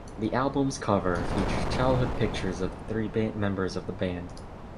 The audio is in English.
The album's cover features childhood pictures of the three members of the band.